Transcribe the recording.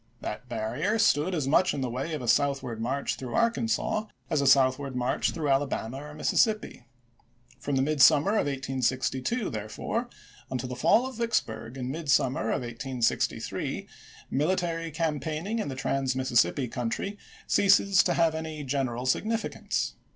That barrier stood as much in the way of a southward march through Arkansas as a southward march through Alabama or Mississippi. From the midsummer of 1862, therefore, until the fall of Vicksburg in midsummer of 1863, military campaigning in the trans Mississippi country ceases to have any general significance.